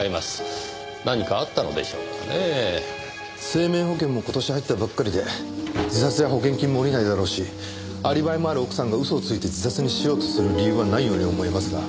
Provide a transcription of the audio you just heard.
生命保険も今年入ったばっかりで自殺じゃ保険金も下りないだろうしアリバイもある奥さんが嘘をついて自殺にしようとする理由はないように思えますが。